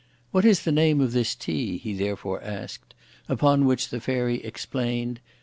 "What is the name of this tea?" he therefore asked; upon which the Fairy explained.